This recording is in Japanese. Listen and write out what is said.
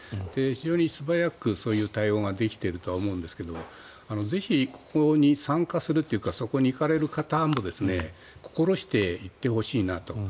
非常に素早く、そういう対応ができているとは思うんですがぜひ、ここに参加するというかそこに行かれる方も心して行ってほしいなと。